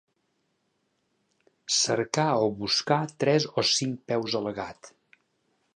Cercar o Buscar tres o cinc peus al gat.